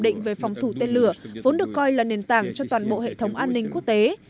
định về phòng thủ tên lửa vốn được coi là nền tảng cho toàn bộ hệ thống an ninh quốc tế